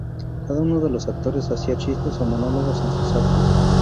Cada uno de los actores hacia chistes o monólogos en sus actos.